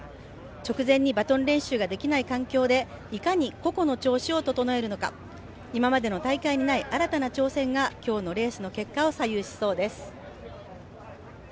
直前にバトン練習ができない環境で、いかに個々の調子を整えるのか、今までの大会にない新たな挑戦が今日のレースの結果を左右しそうです。